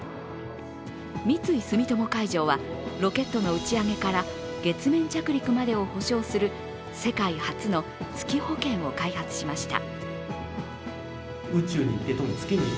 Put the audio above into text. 三井住友海上はロケットの打ち上げから月面着陸までを補償する世界初の月保険を開発しました。